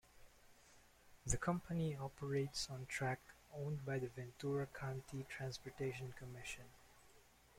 The company operates on track owned by the Ventura County Transportation Commission.